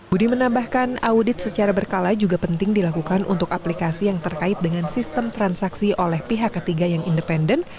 budi menambahkan audit secara berkala juga penting dilakukan untuk aplikasi yang terkait dengan sistem transaksi oleh pihak ketiga yang independen